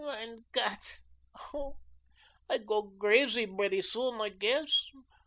My Gott, oh, I go crazy bretty soon, I guess.